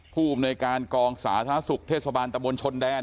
ผู้บุญการกองสาธารณะสุขเทชโบาณตำรวจชนแดน